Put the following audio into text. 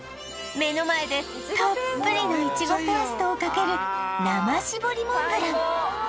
目の前でたっぷりのいちごペーストをかける生搾りモンブラン